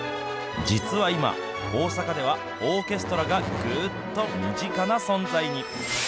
実は今、大阪ではオーケストラがぐーっと身近な存在に。